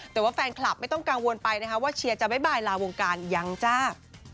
แต่ว่าแฟนคลับไม่ต้องกังวลไปนะคะว่าเชียร์จะบ๊ายลาวงการยังจ้า